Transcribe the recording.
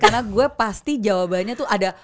karena gue pasti jawabannya tuh ada